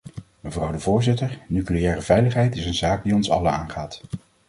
Mevrouw de voorzitter, nucleaire veiligheid is een zaak die ons allen aangaat.